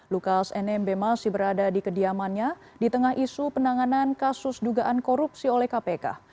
lukas nmb masih berada di kediamannya di tengah isu penanganan kasus dugaan korupsi oleh kpk